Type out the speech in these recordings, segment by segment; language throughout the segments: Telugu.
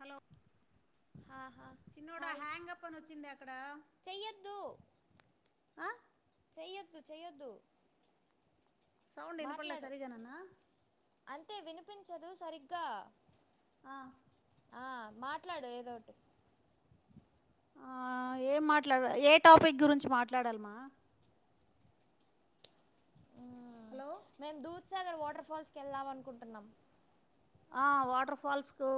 హలో హాహా చిన్నోడ హాయ్ హ్యాంగప్ అని ఓచ్చిందే అక్కడ చెయ్యొద్దు ఆ చేయ్యొద్దు చేయ్యొద్దు సౌండ్ వినపడలే మాట్లాడు సరిగానన్నా అంతే వినిపించదు సరిగ్గా ఆ ఆ మాట్లాడు ఏదోటి ఆ ఏం మాట్లాడ ఏ టాపిక్ గురించి మాట్లాడ్లమా హలో మేము దూత్సాగర్ వాటర్ఫాల్స్ కేళ్దాం అనుకుంటున్నాం ఆ వాటర్ఫాల్స్కు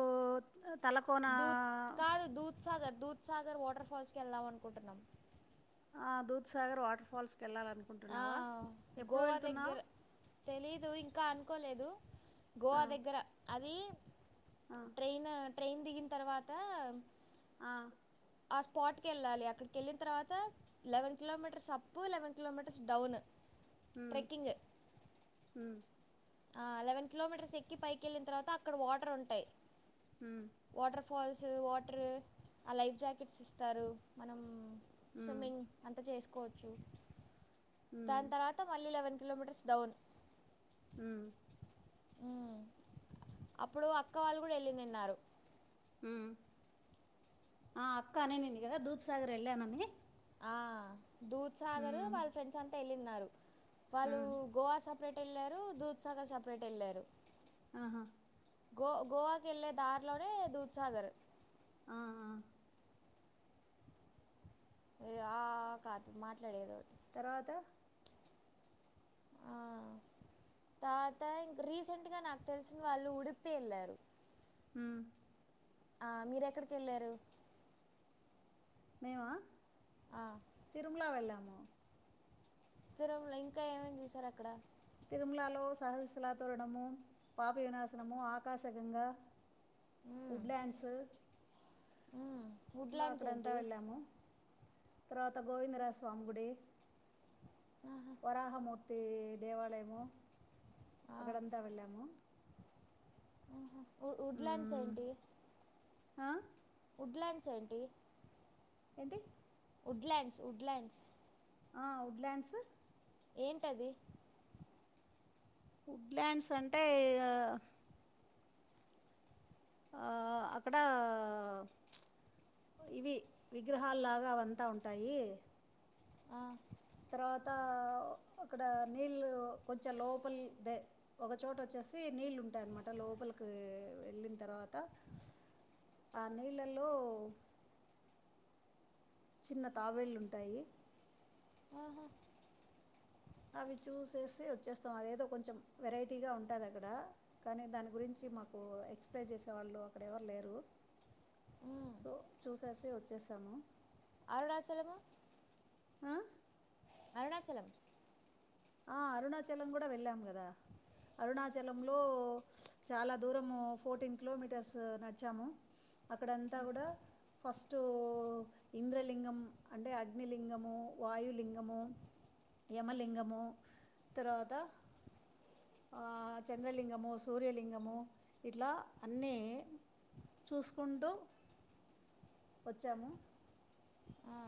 దూత్ కాదు దుత్సాగర్ దూత్సాగర్ వాటర్ఫాల్స్కి వెళ్దాం అనుకుంటున్నాం ఆ దూత్సాగర్ వాటర్ఫాల్స్ ఆ గోవా వెళ్తున్నావు దగ్గర తెలీదు ఇంకా అన్ కోలేదు ఆ గోవా దగ్గర అది ఆ ట్రైను ట్రైన్ దిగిన్తర్వాత ఆ ఆ స్పాట్కేళ్ళాలి అక్కడికి వెళ్ళిన తర్వాత లెవెన్ కిలోమీటర్స్ అప్పు లెవెన్ కిలోమీటర్స్ డౌన్ ట్రెకింగ్ ఉ ఆ లెవెన్ కిలోమీటర్స్ ఎక్కి పైకెళ్ళిన తర్వాత అక్కడ వాటరుంటాయి ఉ ఫాల్స్ వాటర్ ఆ లైఫ్జాకెట్స్ ఇస్తారు మనం ఉమ్ స్విమ్మింగ్ అంతా చేసుకోవచ్చు ఉమ్ దాని తర్వాత మళ్ళీ లెవెన్ కిలోమీటర్స్ డౌన్ ఉమ్ ఉ అప్పుడు అక్క వాళ్ళు కూడా వెళ్ళినిన్నారు ఉ ఆ అక్క అనినింది కదా దూత్సాగర్ ఏళ్ళానని దూత్సగరు వాళ్ళ ఫ్రెండ్స్ అంతా ఎళ్ళిన్నారు వాళ్ళు ఉమ్ గోవా స సప్రేట్ వెళ్ళారు దూత్సాగర్ సప్రేట్ ఎళ్ళారు ఆహా గో-గోవాకేళ్ళే దార్లోనే దూత్సాగర్ ఆ ఆ ఏ అ ఆ కాదు మాట్లాడేదోటి తర్వాత ఆ తావత ఇంకా రీసెంట్గా నాకు తెలిసిన వాళ్ళు ఉడిపేళ్ళారు ఉ ఆ మీరెక్కడికేళ్ళారు మేమా తిరుమ్ల వెళ్ళాము తిరుమల ఇంకా ఏమేమి చూసారక్కడ తిరుమ్లలో సహశలాతోరణము పాప వినాశనము ఆకాశగంగా వుడ్లాడ్స్ ఇంకా వుడ్లాండ్స్ అక్కడ అంతా ఏంటి వెళ్ళాము తర్వాత గోవిందరాజ స్వామి గుడి వరాహ ము ప్రతీ దేవాలయము అక్కడంతా వెళ్ళాము వు-వుడ్లాండ్స్ ఏంటి వుడ్లాండ్ చ్ ఎంటి ఎంటి ఉడ్లాండ్స్ ఉడ్లాండ్స్ ఆ వుడ్లాండ్సు ఏంటది వుడ్లాండ్స్ అంటే గా ఆ అక్కడా ఇవి విగ్రహాలులాగా అంతా ఉంటాయి ఆ తర్వాత అక్కడ నీళ్ళు కొంచెం లోపలదే ఒకచోట చ్చే సి నీళ్ళు ఉంటాయి అన్నమాట లోపలికి వెళ్ళిన తర్వాత అ నీళ్లలో చిన్న తాబేళ్లుంటాయి అవి చూసేసి వచ్చేస్తాం అదేదో కొంచెం వెరైటీగా ఉంటాది అక్కడ కానీ దాని గురించి మాకు ఎక్స్ప్లైజ్ చేసే వాళ్ళు అక్కడ ఎవరు లేరు సో చూసేసి వచ్చేసాము అరుణాచలము ఆ అరుణాచలం ఆ అరుణాచలం కూడ వెళ్ళాం కదా అరుణాచలంలో చాలా దూరము ఫోర్టీన్ కిలోమీటర్స్ నడిచాము అక్కడంతా కూడా ఫస్టు ఇంద్రలింగం అంటే అగ్నిలింగము వాయులింగము యమలింగము తర్వాత ఆ చంద్రలింగము సూర్యలింగము ఇట్లా అన్నీ చూసుకుంటు వచ్చాము ఆ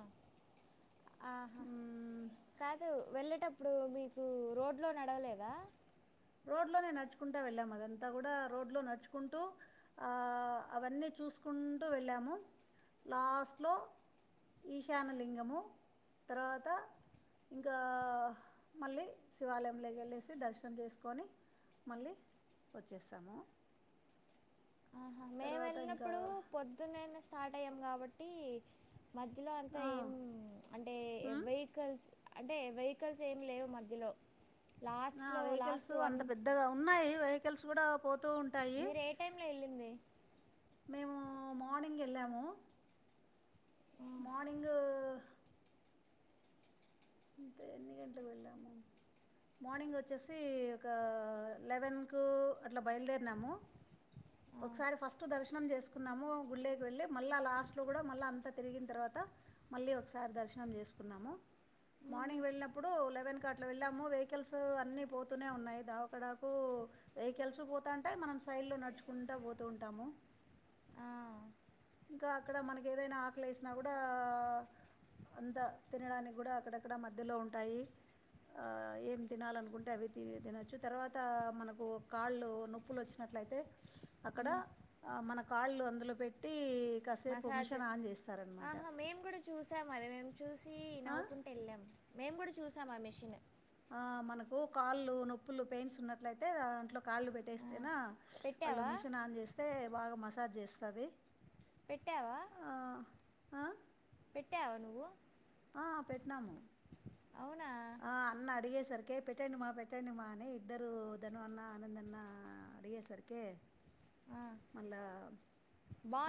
ఆహా మ్మ్. కాదు వెళ్ళేటప్పుడు మీకు రోడ్లో నడవలేదా రోడ్లోనే నడుచుకుంట వెళ్ళాము అదంతా కూడా రోడ్లో నడుచుకుంటూ ఆ అవన్నీ చూస్కు కుంటు వెళ్ళాము లాస్ట్లో ఈశాన్య లింగము తర్వాత ఇంకా మళ్ళీ శివాలయంలో కెళ్ళేసి దర్శనం చేస్ కొని మళ్ళీ వచ్చేసాము ఆహా మేము తర్వాత ఇంకా వెళ్ళినప్పుడు పొద్దునేనే స్టార్ట్ టయ్యం కాబట్టి మధ్యలో అంతా ఏం అంటే వెహికల్స్ అంటే వెహికల్స్ ఏం లేవు మధ్యలో ఆ లాస్ట్లో వెహికల్స్ లాస్ట్ వన్ అంత పెద్దగా ఉన్నాయి వెహికిల్స్ కూడా పోతూ ఉంటాయి మీరు ఏ టైమ్లో ఎళ్ళింది మేము మార్నింగ్ ఎళ్ళాము మార్నింగ్ ఇంత ఎన్ని గంటలకు వెళ్ళాము మార్నింగ్ వచ్చేసి ఒక లెవెన్కు అట్లా బయలుదేరినాము ఆ, ఒకసారి ఫస్ట్ దర్శనం చేసుకున్నాము గుల్లోకి వెళ్ళి మళ్ళా లాస్ట్ లో కూడా మళ్ళ అంత తిరిగిన తర్వ త మళ్ళీ ఒకసారి దర్శనం చేసుకున్నాము ఉమ్, మార్నింగ్ వెళ్ళినప్పుడు లెవెన్కి అట్లా వెళ్ళాము వెహికల్స్ అన్నీ పోతూనే ఉన్నాయి దావకాడకు వెహికల్స్ పోతాంటాయి మనం సైడ్లో నడుచుకుంటా పోతు ఉంటాము ఆ ఇంకా అక్కడ మనకి ఏదైనా ఆకలి ఎసినా కూడా అంత తినడానికి కూడా అక్కడక్కడ మధ్యలో ఉంటాయి ఆ ఏం తినాలనుకుంటే అవి తి తినొచ్చు తర్వాత మనకు కాళ్ళు నొప్పులోచ్చినా ట్లైతే అక్కడ మ్, మన కాళ్ళు అందులో పెట్ మసాజు ఆహా మేము కూడా చూసాం అది మేము చూస్ తి ఆ? నవ్వుకుంట వెళ్ళాం మేము కుడ చూసాం ఆ మిషిన్ ఆ మనకు కాళ్ళు నొప్పులు పెయిన్స్ ఉన్నట్లయితే దాంట్లో కాళ్ళు ఆ, పెట్టేస్తేనా వాళ్ళు పెట్టావా మిషన్ ఆన్ చేస్తే బాగా మసాజ్ చేస్తాది పెట్టావా ఆ, పెట్టావా నువ్వు ఆ పెట్నాము అవునా ఆ అన్న అడిగేసరికె పెట్టేయాండమ్మా పెట్టేయండమ్మా అని ఇద్దరు ధను అన్న ఆనంద్ అన్నా అడిగే సర్కే ఆ, మళ్ళా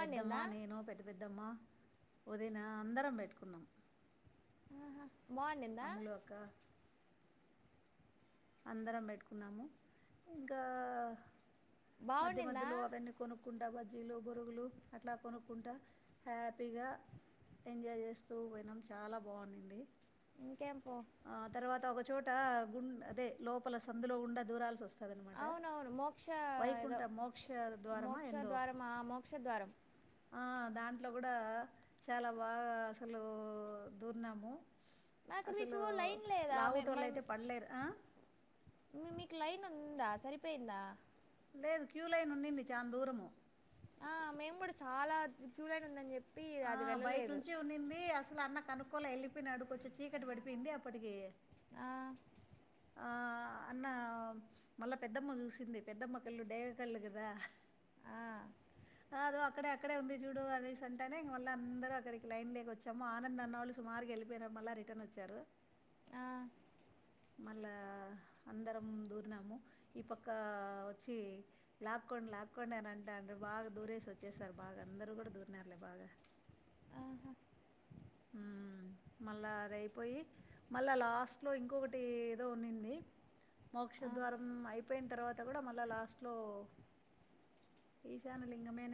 పెద్దమ్మ నేను పెద్ద పెద్దమ్మ వదినా అందరం పెట్టుకున్నం ఆహా బాగుండిందా అమ్ములు అక్క అందరం పెట్టుకున్నాము ఇంకా మధ్య బాగుండిందా మధ్యలో అవన్ని కొనుక్కుంటా వద్ బజ్జిలు బురుగులు అట్లా కొనుక్కుంటా హ్యాపీగా ఎంజాయ్ చేస్తూ పోయినాం చాలా బావుండింది ఇంకేం పో ఆ తర్వాత ఒక చోట గు దే లోపల సందులో గుండా దూరాల్సో స్ టదన్నమాట అవునవును మోక్ష ఏదో వైకుంఠ మోక్ష ద్వారమా మోక్ష ఎందో ద్వారం ఆ, మోక్ష ద్వారం ఆ దాంట్లో గూడా చాలా బాగా అసలు దూర్నాము మరి అక్కడ మీకు అసలు లైన్ లేదా లావుటోలైతే పడలేరు అ మి మీకు లైన్ ఊందా సరిపోయిందా లేదు క్యూ లైన్ ఉండింది చాన దూరము ఆ, మేము గూడ చాలా క్యూలైన్ ఉందని చెప్ ఆ బయట నుంచి ఉన్నింది అసలు అన్న కను క్కొలె ఎళ్ళిపోయినాడు కొంచం చీకటి పడిపోయింది అప్పటికి ఆ ఆఅ అన్న మళ్ళా పెద్దమ్మ చూసింది పెద్దమ్మ కళ్ళు డేగ కళ్ళు గదా ఆ, కదు అక్కడే అక్కడే ఉంది చూడు అనేసి అంటేనే ఇంగ మళ్ళ అందరూ అక్కడికి లైన్ లేకోచ్చేమొ ఆనంద్ అన్నొళ్ళు సుమారుగేళ్ ళ్ళిపోయిన మళ్ళ రిటర్న్ ఒచ్చారు ఆ మళ్ళా అందరం దూరినాము ఈ పక్క ఒచ్చి లాక్కోం లాక్కోండి అని అంటాన్రు బాగా దూరేసి వచ్చేసారు బాగా అందరూ గూడా దూరినార్లే బాగా ఆహా మ్ మళ్ళా అది అయిపోయి మళ్ళా లాస్ట్లో ఇంకొకటి ఏదో ఉన్నింది మొక్ష ఆ. ద్వారం అయిపోయిన్ తర్వాత గూడ మళ్ళ లాస్ట్ లొ ఈసాన్య లింగం మెనె